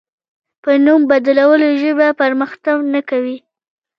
په نوم بدلولو ژبه پرمختګ نه کوي.